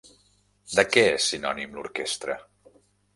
De què és sinònim l'orquestra?